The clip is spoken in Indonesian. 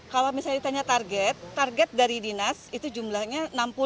kalau misalnya ditanya target target dari dinas itu jumlahnya enam puluh